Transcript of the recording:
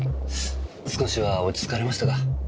少しは落ち着かれましたか？